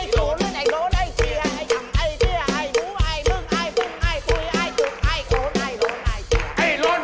และโถน้ยเย้ดเจ้นตาง